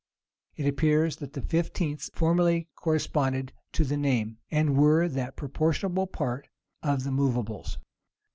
It appears, that the fifteenths formerly corresponded to the name, and were that proportionable part of the movables.